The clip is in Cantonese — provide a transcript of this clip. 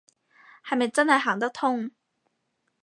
係咪真係行得通